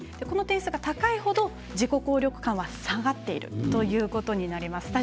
この点数が高いほど自己効力感が下がっているということになります。